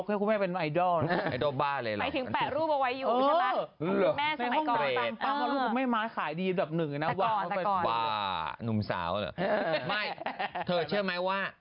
ปิกปิ่นสิบเจ็บเจ็บไว้เมื่อก่อน